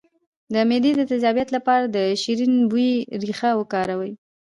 د معدې د تیزابیت لپاره د شیرین بویې ریښه وکاروئ